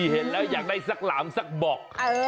เห็นแล้วอยากได้สักหลามสักบอก